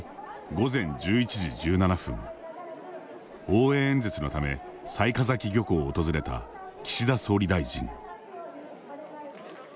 午前１１時１７分応援演説のため雑賀崎漁港を訪れた岸田総理大臣。